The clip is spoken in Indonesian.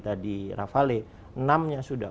tadi rafale enam nya sudah